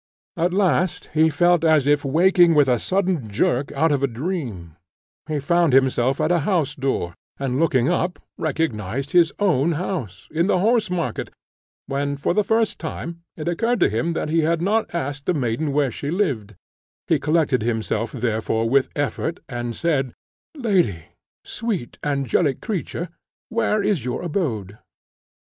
At last he felt as if waking with a sudden jerk out of a dream: he found himself at a house door, and, looking up, recognised his own house, in the Horse market, when, for the first time, it occurred to him that he had not asked the maiden where she lived; he collected himself therefore with effort, and said, "Lady sweet, angelic creature where is your abode?"